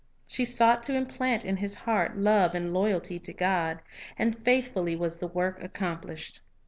She sought to implant in his heart love and loyalty to God. And faithfully was the work accomplished.